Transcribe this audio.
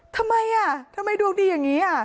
ทำไมอ่ะทำไมดวงดีอย่างนี้